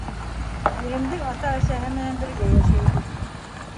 Иремдең ата-әсәһе менән бергә йәшәйбеҙ.